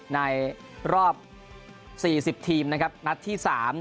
ในรอบ๔๐ทีมนะครับนัดที่๓